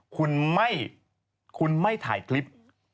คุณไม่ถ่ายคลิป